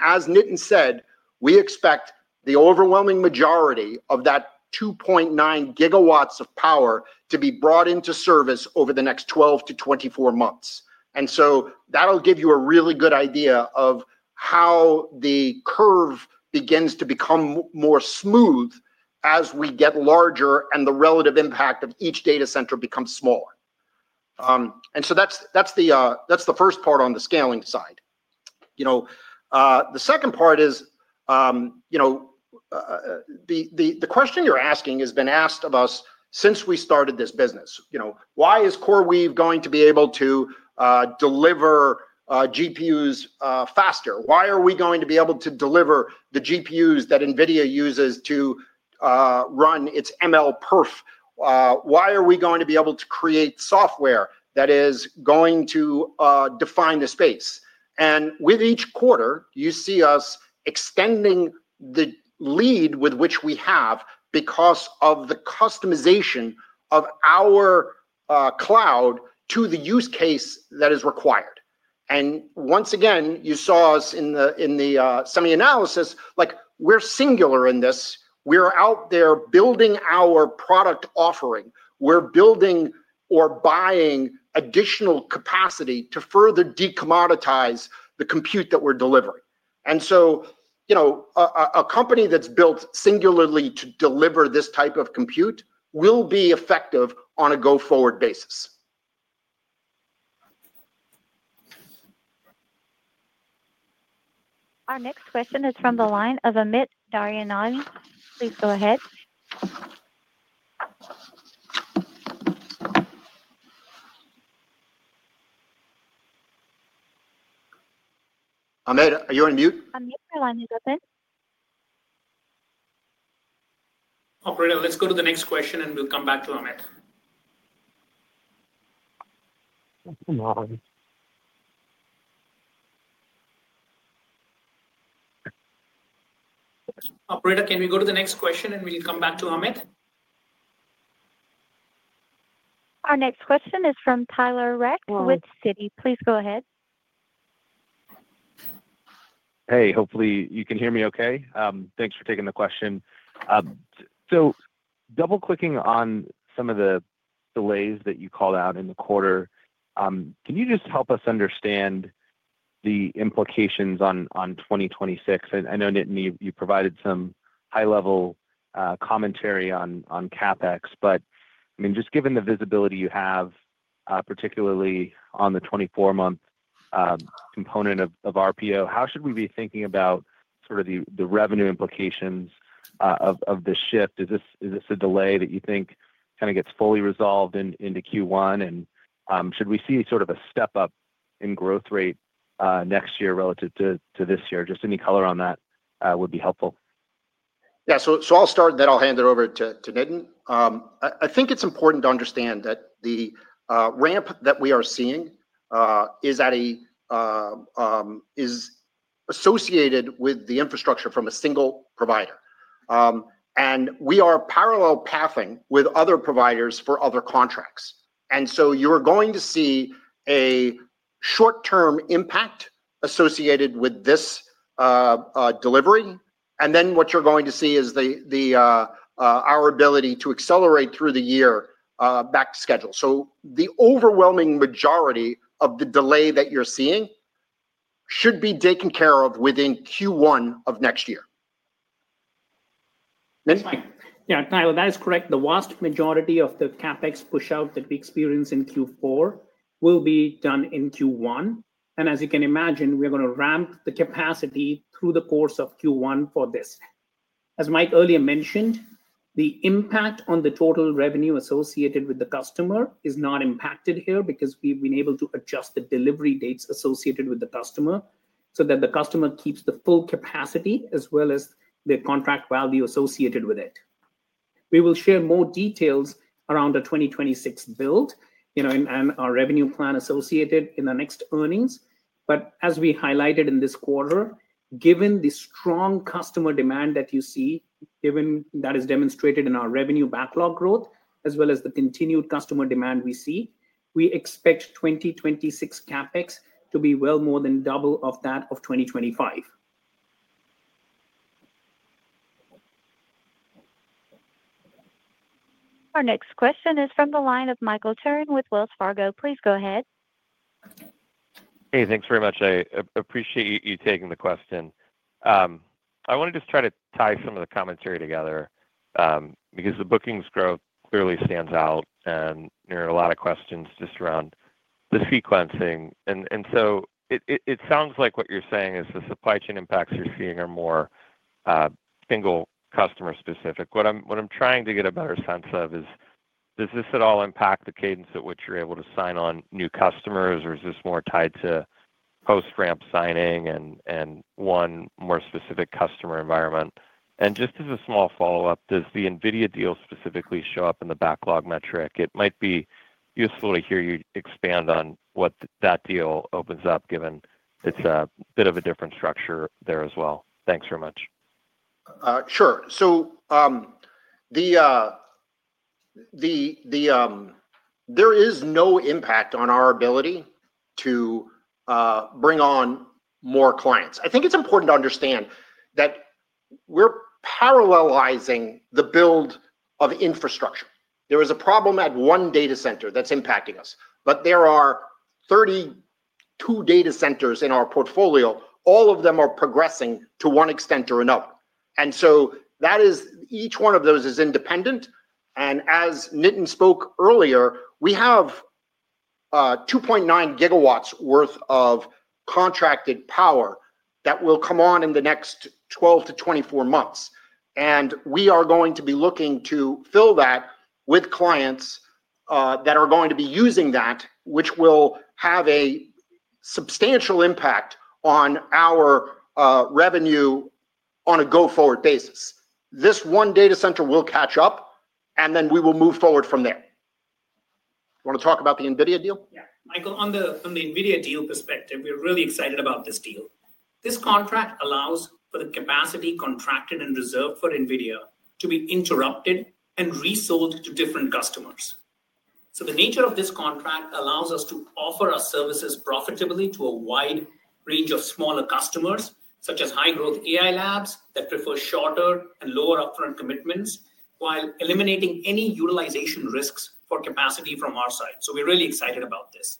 As Nitin said, we expect the overwhelming majority of that 2.9 GW of power to be brought into service over the next 12 to 24 months. That will give you a really good idea of how the curve begins to become more smooth as we get larger and the relative impact of each data center becomes smaller. That is the first part on the scaling side. The second part is the question you're asking has been asked of us since we started this business. Why is CoreWeave going to be able to deliver GPUs faster? Why are we going to be able to deliver the GPUs that NVIDIA uses to run its MLPerf? Why are we going to be able to create software that is going to define the space? With each quarter, you see us extending the lead with which we have because of the customization of our cloud to the use case that is required. Once again, you saw us in the SemiAnalysis, we're singular in this. We're out there building our product offering. We're building or buying additional capacity to further decommoditize the compute that we're delivering. A company that's built singularly to deliver this type of compute will be effective on a go-forward basis. Our next question is from the line of Amit Daryanani. Please go ahead. Amit, are you on mute? Amit your line is open. Alright, let's go to the next question, and we'll come back to Amit. Alright, can we go to the next question, and we'll come back to Amit? Our next question is from Tyler Radke with Citi. Please go ahead. Hey, hopefully you can hear me okay. Thanks for taking the question. Double-clicking on some of the delays that you called out in the quarter, can you just help us understand the implications on 2026? I know, Nitin, you provided some high-level commentary on CapEx. I mean, just given the visibility you have, particularly on the 24-month component of RPO, how should we be thinking about sort of the revenue implications of this shift? Is this a delay that you think kind of gets fully resolved into Q1? Should we see sort of a step-up in growth rate next year relative to this year? Just any color on that would be helpful. Yeah, I'll start, and then I'll hand it over to Nitin. I think it's important to understand that the ramp that we are seeing is associated with the infrastructure from a single provider. We are parallel pathing with other providers for other contracts. You're going to see a short-term impact associated with this delivery. What you're going to see is our ability to accelerate through the year back to schedule. The overwhelming majority of the delay that you're seeing should be taken care of within Q1 of next year. Yeah, Tyler, that is correct. The vast majority of the CapEx push-out that we experience in Q4 will be done in Q1. As you can imagine, we're going to ramp the capacity through the course of Q1 for this. As Mike earlier mentioned, the impact on the total revenue associated with the customer is not impacted here because we've been able to adjust the delivery dates associated with the customer so that the customer keeps the full capacity as well as the contract value associated with it. We will share more details around the 2026 build and our revenue plan associated in the next earnings. As we highlighted in this quarter, given the strong customer demand that you see, that is demonstrated in our revenue backlog growth, as well as the continued customer demand we see, we expect 2026 CapEx to be well more than double that of 2025. Our next question is from the line of Michael Turrin with Wells Fargo. Please go ahead. Hey, thanks very much. I appreciate you taking the question. I want to just try to tie some of the commentary together because the bookings growth clearly stands out, and there are a lot of questions just around the sequencing. It sounds like what you're saying is the supply chain impacts you're seeing are more single customer specific. What I'm trying to get a better sense of is, does this at all impact the cadence at which you're able to sign on new customers, or is this more tied to post-ramp signing and one more specific customer environment? And just as a small follow-up, does the NVIDIA deal specifically show up in the backlog metric? It might be useful to hear you expand on what that deal opens up, given it's a bit of a different structure there as well. Thanks very much. Sure. There is no impact on our ability to bring on more clients. I think it's important to understand that we're parallelizing the build of infrastructure. There is a problem at one data center that's impacting us, but there are 32 data centers in our portfolio. All of them are progressing to one extent or another. Each one of those is independent. As Nitin spoke earlier, we have 2.9 GW worth of contracted power that will come on in the next 12 to 24 months. We are going to be looking to fill that with clients that are going to be using that, which will have a substantial impact on our revenue on a go-forward basis. This one data center will catch up, and then we will move forward from there. Want to talk about the NVIDIA deal? Yeah. Michael, on the NVIDIA deal perspective, we're really excited about this deal. This contract allows for the capacity contracted and reserved for NVIDIA to be interrupted and resold to different customers. The nature of this contract allows us to offer our services profitably to a wide range of smaller customers, such as high-growth AI labs that prefer shorter and lower upfront commitments, while eliminating any utilization risks for capacity from our side. We are really excited about this.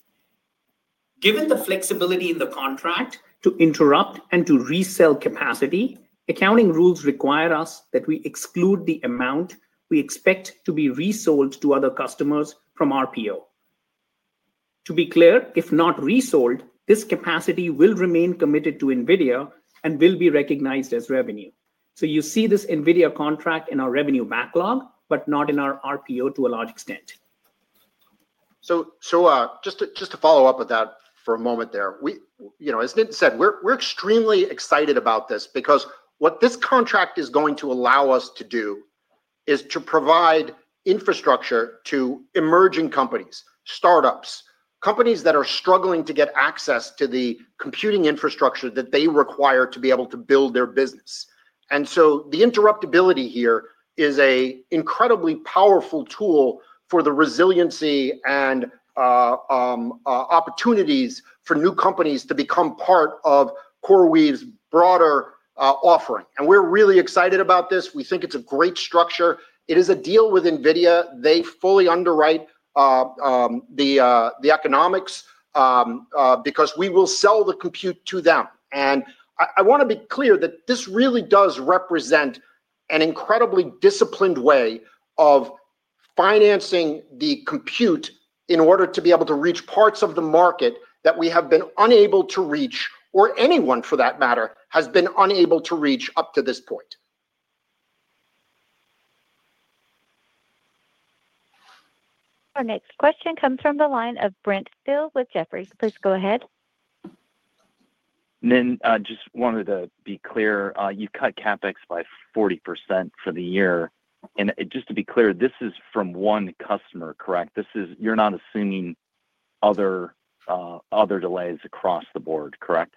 Given the flexibility in the contract to interrupt and to resell capacity, accounting rules require us that we exclude the amount we expect to be resold to other customers from RPO. To be clear, if not resold, this capacity will remain committed to NVIDIA and will be recognized as revenue. You see this NVIDIA contract in our revenue backlog, but not in our RPO to a large extent. Just to follow up with that for a moment there, as Nitin said, we're extremely excited about this because what this contract is going to allow us to do is to provide infrastructure to emerging companies, startups, companies that are struggling to get access to the computing infrastructure that they require to be able to build their business. The interruptibility here is an incredibly powerful tool for the resiliency and opportunities for new companies to become part of CoreWeave's broader offering. We're really excited about this. We think it's a great structure. It is a deal with NVIDIA. They fully underwrite the economics because we will sell the compute to them. I want to be clear that this really does represent an incredibly disciplined way of financing the compute in order to be able to reach parts of the market that we have been unable to reach, or anyone for that matter has been unable to reach up to this point. Our next question comes from the line of Brent Thill with Jefferies. Please go ahead. Nitin, just wanted to be clear, you cut CapEx by 40% for the year. And just to be clear, this is from one customer, correct? You're not assuming other delays across the board, correct?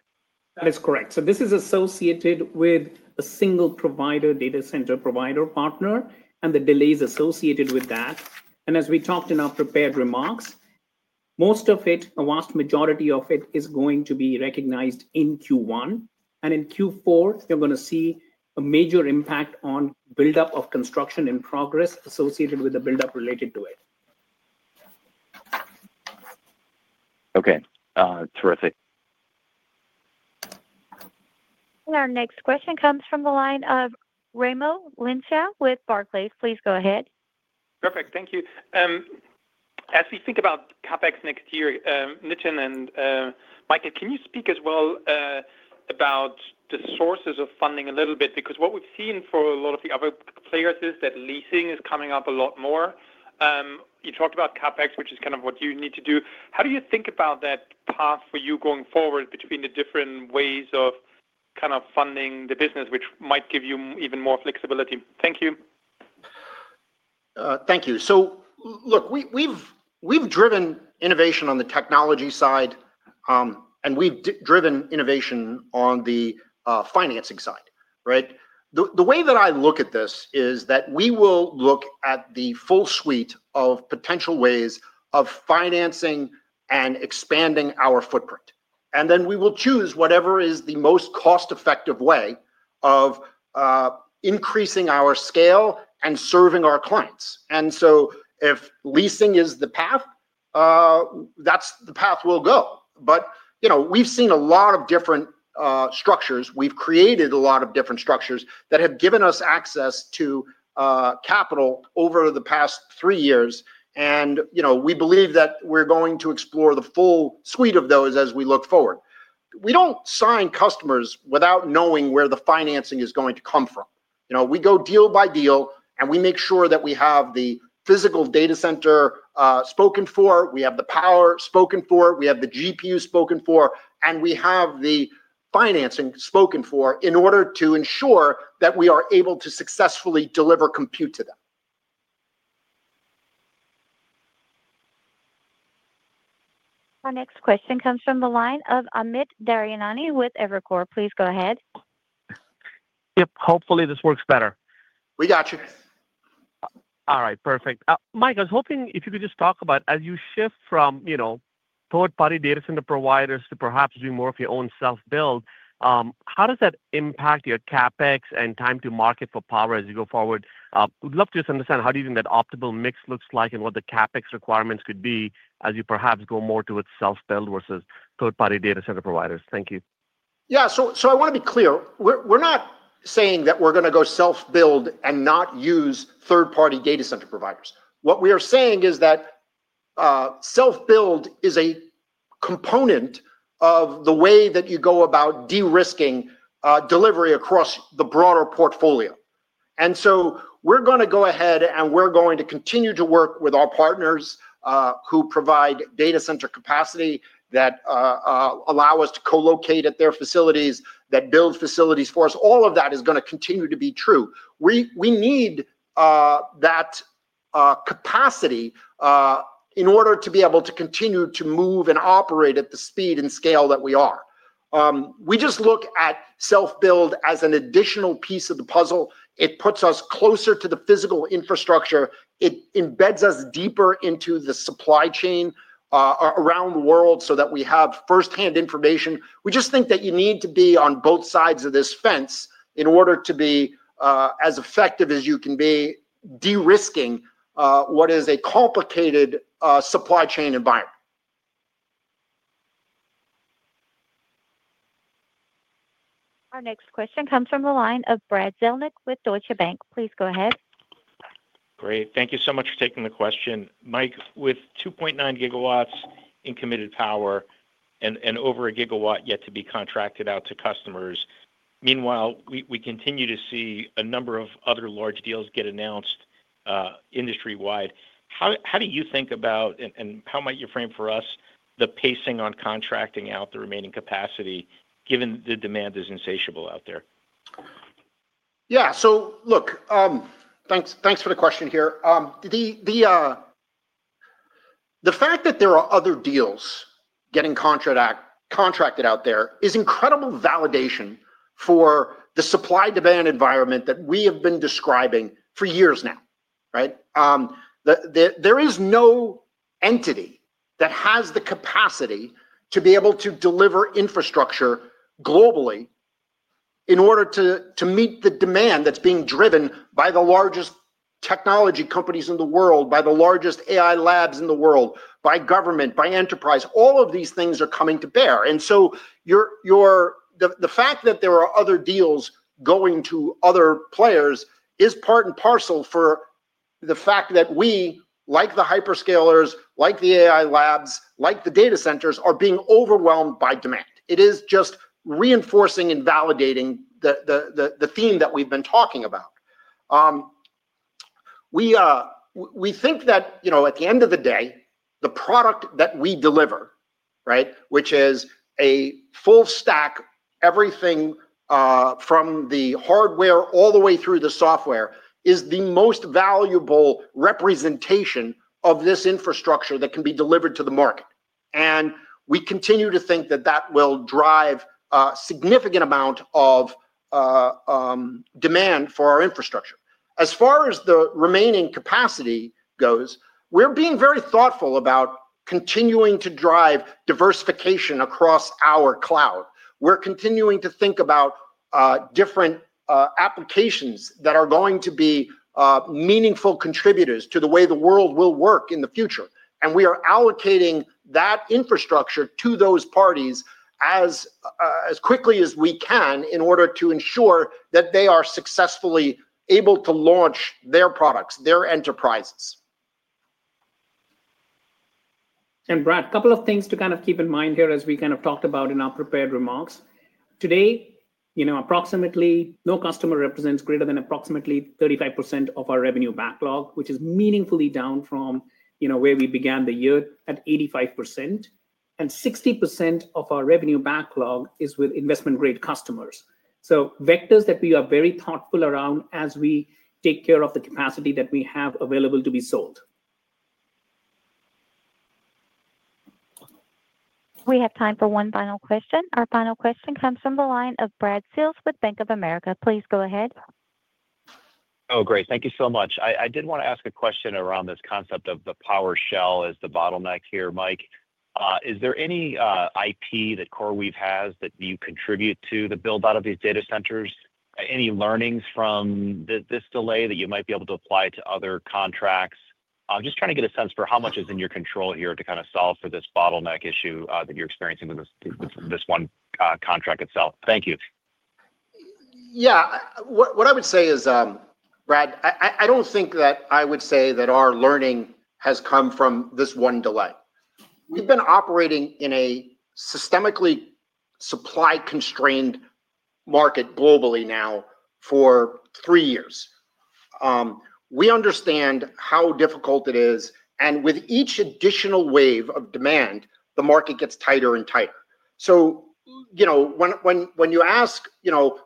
That is correct. This is associated with a single data center provider partner, and the delays associated with that. As we talked in our prepared remarks, most of it, a vast majority of it, is going to be recognized in Q1. In Q4, you're going to see a major impact on build-up of construction in progress associated with the build-up related to it. Okay. Terrific. Our next question comes from the line of Raimo Lenschow with Barclays. Please go ahead. Perfect. Thank you. As we think about CapEx next year, Nitin and Mike, can you speak as well about the sources of funding a little bit? Because what we've seen for a lot of the other players is that leasing is coming up a lot more. You talked about CapEx, which is kind of what you need to do. How do you think about that path for you going forward between the different ways of kind of funding the business, which might give you even more flexibility? Thank you. Thank you. Look, we've driven innovation on the technology side, and we've driven innovation on the financing side, right? The way that I look at this is that we will look at the full suite of potential ways of financing and expanding our footprint. We will choose whatever is the most cost-effective way of increasing our scale and serving our clients. If leasing is the path, that's the path we'll go. We have seen a lot of different structures. We have created a lot of different structures that have given us access to capital over the past three years. We believe that we're going to explore the full suite of those as we look forward. We do not sign customers without knowing where the financing is going to come from. We go deal by deal, and we make sure that we have the physical data center spoken for, we have the power spoken for, we have the GPU spoken for, and we have the financing spoken for in order to ensure that we are able to successfully deliver compute to them. Our next question comes from the line of Amit Daryanani with Evercore. Please go ahead. Yep. Hopefully this works better. We got you. All right. Perfect. Mike, I was hoping if you could just talk about as you shift from third-party data center providers to perhaps doing more of your own self-build, how does that impact your CapEx and time to market for power as you go forward? We'd love to just understand how do you think that optimal mix looks like and what the CapEx requirements could be as you perhaps go more towards self-build versus third-party data center providers. Thank you. Yeah. I want to be clear. We're not saying that we're going to go self-build and not use third-party data center providers. What we are saying is that self-build is a component of the way that you go about de-risking delivery across the broader portfolio. We're going to go ahead, and we're going to continue to work with our partners who provide data center capacity that allow us to co-locate at their facilities, that build facilities for us. All of that is going to continue to be true. We need that capacity in order to be able to continue to move and operate at the speed and scale that we are. We just look at self-build as an additional piece of the puzzle. It puts us closer to the physical infrastructure. It embeds us deeper into the supply chain around the world so that we have first-hand information. We just think that you need to be on both sides of this fence in order to be as effective as you can be de-risking what is a complicated supply chain environment. Our next question comes from the line of Brad Zelnick with Deutsche Bank. Please go ahead. Great. Thank you so much for taking the question. Mike, with 2.9 GW in committed power and over 1 GW yet to be contracted out to customers, meanwhile, we continue to see a number of other large deals get announced industry-wide. How do you think about, and how might you frame for us, the pacing on contracting out the remaining capacity given the demand is insatiable out there? Yeah. Look, thanks for the question here. The fact that there are other deals getting contracted out there is incredible validation for the supply-demand environment that we have been describing for years now, right? There is no entity that has the capacity to be able to deliver infrastructure globally in order to meet the demand that's being driven by the largest technology companies in the world, by the largest AI labs in the world, by government, by enterprise. All of these things are coming to bear. The fact that there are other deals going to other players is part and parcel for the fact that we, like the hyperscalers, like the AI labs, like the data centers, are being overwhelmed by demand. It is just reinforcing and validating the theme that we've been talking about. We think that at the end of the day, the product that we deliver, right, which is a full stack, everything from the hardware all the way through the software, is the most valuable representation of this infrastructure that can be delivered to the market. We continue to think that that will drive a significant amount of demand for our infrastructure. As far as the remaining capacity goes, we're being very thoughtful about continuing to drive diversification across our cloud. We're continuing to think about different applications that are going to be meaningful contributors to the way the world will work in the future. We are allocating that infrastructure to those parties as quickly as we can in order to ensure that they are successfully able to launch their products, their enterprises. Brad, a couple of things to kind of keep in mind here as we kind of talked about in our prepared remarks. Today, approximately no customer represents greater than approximately 35% of our revenue backlog, which is meaningfully down from where we began the year at 85%. 60% of our revenue backlog is with investment-grade customers. Vectors that we are very thoughtful around as we take care of the capacity that we have available to be sold. We have time for one final question. Our final question comes from the line of Brad Sills with Bank of America. Please go ahead. Oh, great. Thank you so much. I did want to ask a question around this concept of the powered shell as the bottleneck here, Mike. Is there any IP that CoreWeave has that you contribute to the build-out of these data centers? Any learnings from this delay that you might be able to apply to other contracts? I'm just trying to get a sense for how much is in your control here to kind of solve for this bottleneck issue that you're experiencing with this one contract itself. Thank you. Yeah. What I would say is, Brad, I don't think that I would say that our learning has come from this one delay. We've been operating in a systemically supply-constrained market globally now for three years. We understand how difficult it is. With each additional wave of demand, the market gets tighter and tighter. When you ask,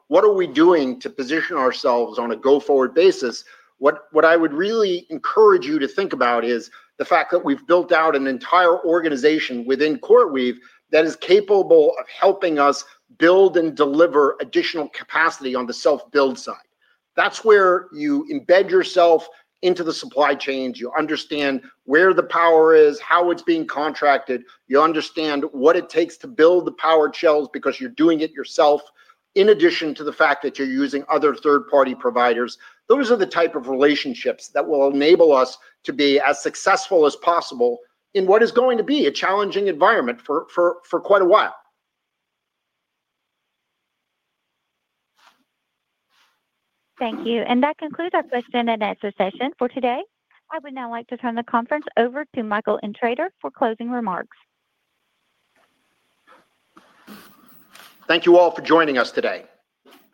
"What are we doing to position ourselves on a go-forward basis?" what I would really encourage you to think about is the fact that we've built out an entire organization within CoreWeave that is capable of helping us build and deliver additional capacity on the self-build side. That's where you embed yourself into the supply chain. You understand where the power is, how it's being contracted. You understand what it takes to build the power shells because you're doing it yourself in addition to the fact that you're using other third-party providers. Those are the type of relationships that will enable us to be as successful as possible in what is going to be a challenging environment for quite a while. Thank you. That concludes our question and answer session for today. I would now like to turn the conference over to Michael Intrator for closing remarks. Thank you all for joining us today.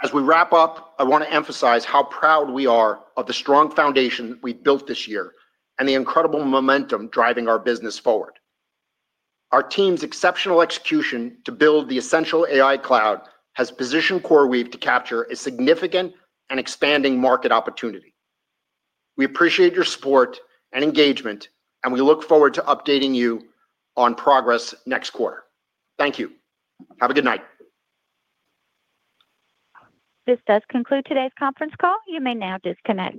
As we wrap up, I want to emphasize how proud we are of the strong foundation we've built this year and the incredible momentum driving our business forward. Our team's exceptional execution to build the essential AI cloud has positioned CoreWeave to capture a significant and expanding market opportunity. We appreciate your support and engagement, and we look forward to updating you on progress next quarter. Thank you. Have a good night. This does conclude today's conference call. You may now disconnect.